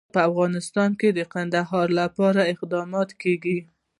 په افغانستان کې د کندهار لپاره اقدامات کېږي.